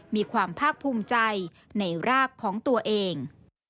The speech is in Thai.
มีความภาคภูมิใจในรากของตัวเอง